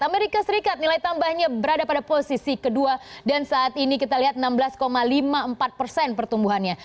amerika serikat nilai tambahnya berada pada posisi kedua dan saat ini kita lihat enam belas lima puluh empat persen pertumbuhannya